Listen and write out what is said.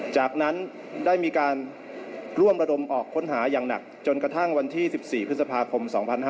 จากนั้นได้มีการร่วมระดมออกค้นหาอย่างหนักจนกระทั่งวันที่๑๔พฤษภาคม๒๕๕๙